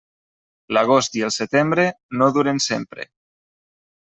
L'agost i el setembre no duren sempre.